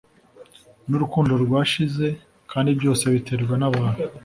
n’urukundo rwashize kandi byose biterwa n’abantu